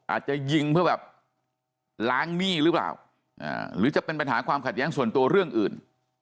อาจจะยิงเพื่อแบบล้างหนี้หรือเปล่าหรือจะเป็นปัญหาความขัดแย้งส่วนตัวเรื่องอื่น